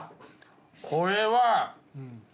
これは。